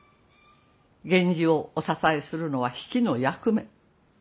源氏をお支えするのは比企の役目。